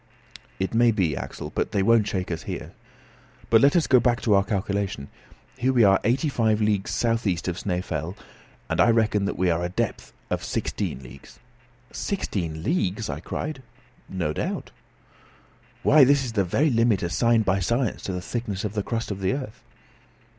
"It may be, Axel, but they won't shake us here. But let us go back to our calculation. Here we are eighty five leagues south east of Snæfell, and I reckon that we are at a depth of sixteen leagues." "Sixteen leagues?" I cried. "No doubt." "Why, this is the very limit assigned by science to the thickness of the crust of the earth."